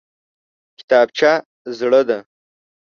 کتابچه زړه ده!